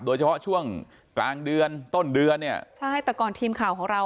โดยเฉพาะช่วงกลางเดือนต้นเดือนเนี่ยใช่แต่ก่อนทีมข่าวของเรา